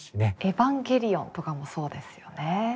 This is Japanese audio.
「エヴァンゲリオン」とかもそうですよね。